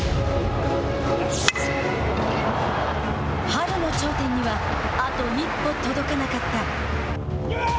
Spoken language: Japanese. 春の頂点にはあと一歩届かなかった。